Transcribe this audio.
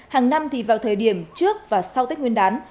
hàng năm thì vào thời điểm trước và sau tết nguyên đán